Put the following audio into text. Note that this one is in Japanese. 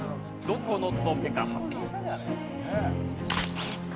どこの都道府県か？